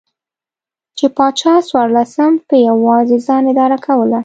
چې پاچا څوارلسم په یوازې ځان اداره کوله.